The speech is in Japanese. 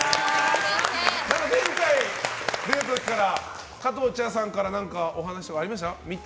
前回出た時、加藤茶さんからは何かお話とかありました？